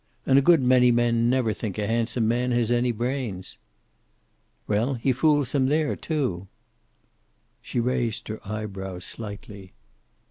And a good many men never think a handsome man has any brains." "Well, he fools them there, too." She raised her eyebrows slightly.